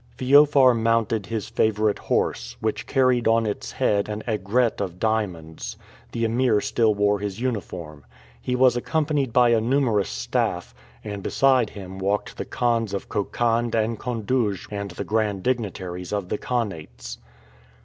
Feofar mounted his favorite horse, which carried on its head an aigrette of diamonds. The Emir still wore his uniform. He was accompanied by a numerous staff, and beside him walked the Khans of Khokhand and Koundouge and the grand dignitaries of the Khanats.